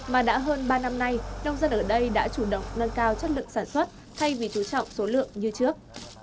mà đã hơn ba năm nay nông dân ở đây đã chủ động nâng cao chất lượng sản xuất thay vì chú trọng số lượng như trước